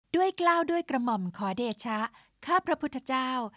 กล้าวด้วยกระหม่อมขอเดชะข้าพระพุทธเจ้า